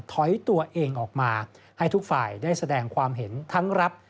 ถอยตัวเองออกมาให้ทุกฝ่ายได้แสดงความเห็นทั้งรับ